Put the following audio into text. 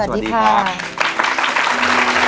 สวัสดีค่ะ